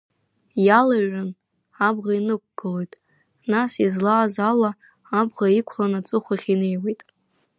Иалыҩрын, абӷа инықәгылоит, нас излааз ала абӷа иқәлан аҵыхәахь инеиуеит.